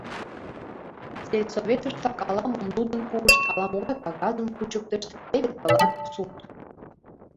Сельсоветыштак ала-мом лудын пуышт, ала-могай кагазым кучыктышт — теве тылат суд.